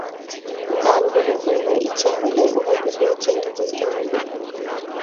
দান গ্রহণ করিবার ইচ্ছা হইলে উহার বিপরীত চিন্তা করিতে হইবে।